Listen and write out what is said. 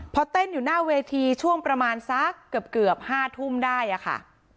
พอเต้นอยู่หน้าเวทีช่วงประมาณสักเกือบ๕ทุ่มได้อะค่ะ